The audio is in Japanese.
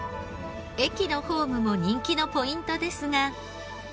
駅のホームも人気のポイントですが。